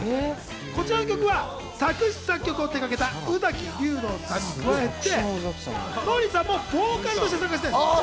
こちらの曲は作詞・作曲を手がけた宇崎竜童さんに加えて憲さんもボーカルとして参加しています。